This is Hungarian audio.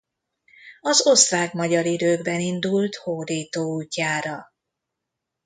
Az osztrák-magyar időkben indult hódító útjára.